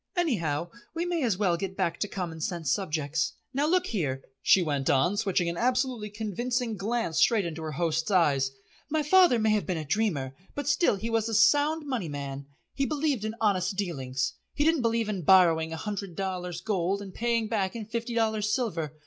Anyhow we may as well get back to common sense subjects. Now look here," she went on, switching an absolutely convincing glance straight into her host's eyes, "my father may have been a dreamer, but still he was a Sound Money man. He believed in honest dealings. He didn't believe in borrowing a hundred dollars gold and paying back in fifty dollars silver.